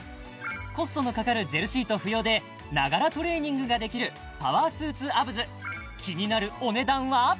コストのかかるジェルシート不要でながらトレーニングができるパワースーツアブズ気になるお値段は？